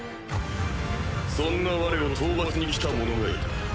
そんな我を討伐に来た者がいた。